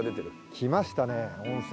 来ましたね温泉。